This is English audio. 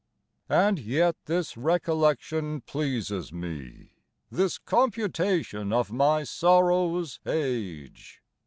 And yet this recollection pleases me, This computation of my sorrow's age.